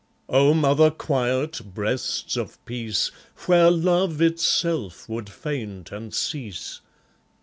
O mother quiet, breasts of peace, Where love itself would faint and cease!